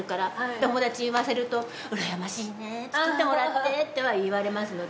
友達に言わせるとうらやましいね作ってもらってとは言われますので。